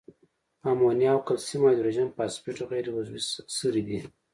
امونیا او کلسیم هایدروجن فاسفیټ غیر عضوي سرې دي.